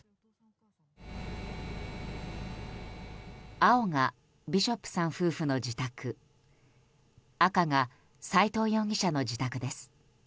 青がビショップさん夫婦の自宅赤が斎藤容疑者の自宅です。